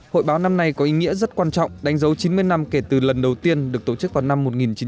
hội báo năm nay có ý nghĩa rất quan trọng đánh dấu chín mươi năm kể từ lần đầu tiên được tổ chức vào năm một nghìn chín trăm bảy mươi